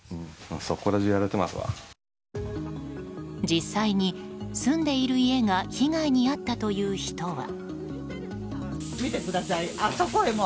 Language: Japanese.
実際に住んでいる家が被害に遭ったという人は。